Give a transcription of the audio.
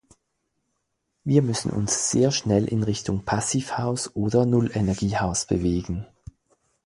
Wir müssen uns sehr schnell in Richtung Passivhaus oder Nullenergiehaus bewegen.